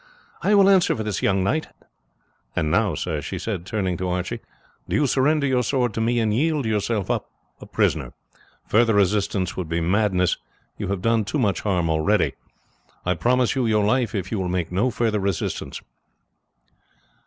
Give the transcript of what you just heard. I will answer for this young knight. And now, sir," she said, turning to Archie, "do you surrender your sword to me, and yield yourself up a prisoner. Further resistance would be madness; you have done too much harm already. I promise you your life if you will make no further resistance."